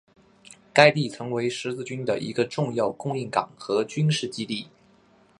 该地曾为十字军的一个重要的供应港和军事基地。